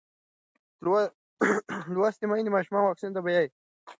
لوستې میندې ماشومان واکسین ته بیايي.